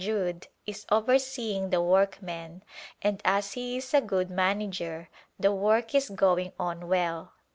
Judd is overseeing the work men and as he is a good manager the work is going on well.